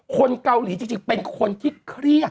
คนเกาหลีจริงเป็นคนที่เครียด